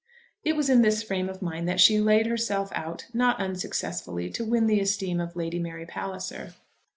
It was in this frame of mind that she laid herself out not unsuccessfully to win the esteem of Lady Mary Palliser.